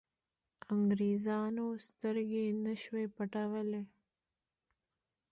انګرېزانو سترګې نه شوای پټولای.